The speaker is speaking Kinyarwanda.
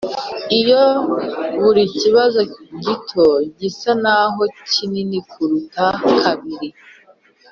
iyo buri kibazo gito gisa naho kinini kuruta kabiri,